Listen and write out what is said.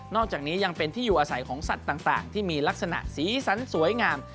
อกจากนี้ยังเป็นที่อยู่อาศัยของสัตว์ต่างที่มีลักษณะสีสันสวยงาม